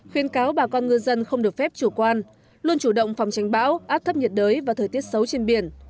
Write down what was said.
khuyên cáo bà con ngư dân không được phép chủ quan luôn chủ động phòng tránh bão áp thấp nhiệt đới và thời tiết xấu trên biển